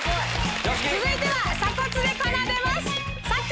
続いては鎖骨で奏でます。